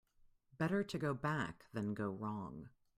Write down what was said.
Better to go back than go wrong.